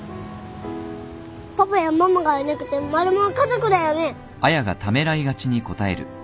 パパやママがいなくてもマルモは家族だよね。